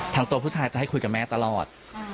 ตัวผู้ชายจะให้คุยกับแม่ตลอด